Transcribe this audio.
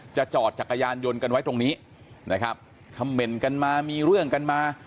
จอดจักรยานยนต์กันไว้ตรงนี้นะครับคำเมนต์กันมามีเรื่องกันมา